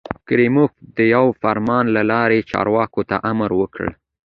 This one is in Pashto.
کریموف د یوه فرمان له لارې چارواکو ته امر وکړ.